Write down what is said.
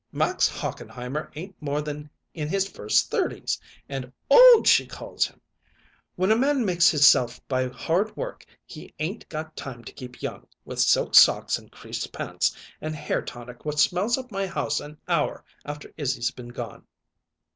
Max Hochenheimer ain't more than in his first thirties, and old she calls him! When a man makes hisself by hard work he 'ain't got time to keep young, with silk socks and creased pants, and hair tonic what smells up my house a hour after Izzy's been gone.